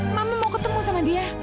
mama mau ketemu sama dia